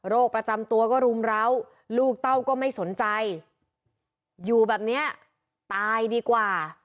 ประจำตัวก็รุมร้าวลูกเต้าก็ไม่สนใจอยู่แบบเนี้ยตายดีกว่า